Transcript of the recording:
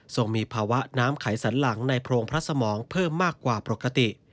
มีภาวะน้ำไขสันหลังในโพรงพระสมองเพิ่มมากกว่าปกติ